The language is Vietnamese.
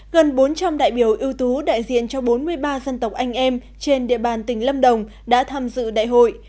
gần bốn trăm linh đại biểu ưu tú đại diện cho bốn mươi ba dân tộc anh em trên địa bàn tỉnh lâm đồng đã tham dự đại hội